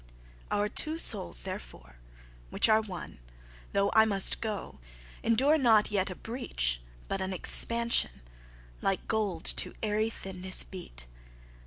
Our two soules therefore, which are one, Though I must goe, endure not yet A breach, but an expansion, Like gold to ayery thinnesse beate.